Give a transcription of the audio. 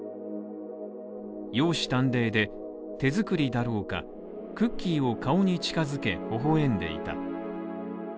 容姿端麗で、手作りだろうかクッキーを顔に近づけ、微笑んでいた。